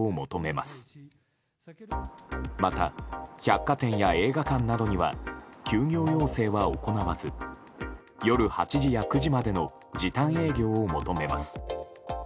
また、百貨店や映画館などには休業要請は行わず夜８時や９時までの時短営業を求めます。